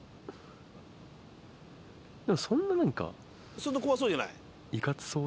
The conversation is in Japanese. そんな怖そうじゃない？